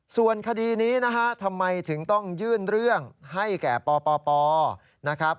ส่วนคดีนี้นะฮะทำไมถึงต้องยื่นเรื่องให้แก่ปปนะครับ